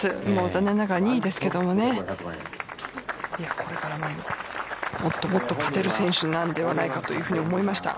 残念ながら２位ですけどもっともっと勝てる選手になるのではないかと思いました。